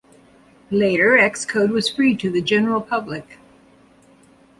Later, Xcode was free to the general public.